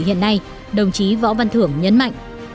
hiện nay đồng chí võ văn thưởng nhấn mạnh